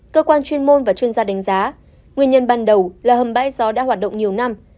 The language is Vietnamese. cơ quan chuyên môn và chuyên gia đánh giá nguyên nhân ban đầu là hầm bãi gió đã hoạt động nhiều năm